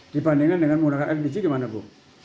dibandingkan dengan menggunakan lpg gimana bu